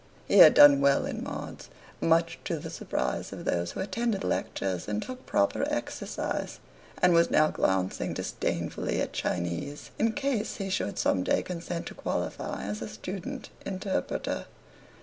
He had done well in Mods, much to the surprise of those who attended lectures and took proper exercise, and was now glancing disdainfully at Chinese in case he should some day consent to qualify as a Student Interpreter.